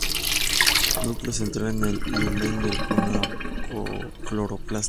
Núcleo central en el lumen del cloroplasto.